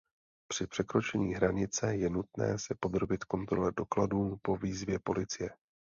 Při překročení hranice je nutné se podrobit kontrole dokladů po výzvě policie.